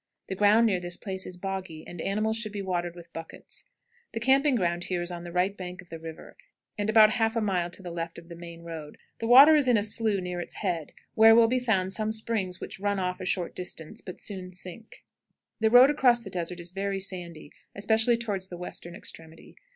The ground near this place is boggy, and animals should be watered with buckets. The camping ground here is on the right bank of the river, and about half a mile to the left of the main road. The water is in a slough, near its head, where will be found some springs which run off a short distance, but soon sink. The road across the desert is very sandy, especially toward the western extremity.